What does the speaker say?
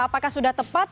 apakah sudah tepat